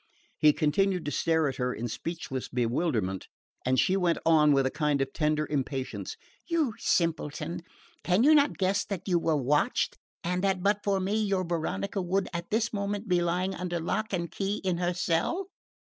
He continued to stare at her in speechless bewilderment, and she went on with a kind of tender impatience: "You simpleton, can you not guess that you were watched, and that but for me your Veronica would at this moment be lying under lock and key in her cell?